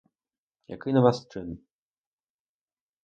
Який на вас чин?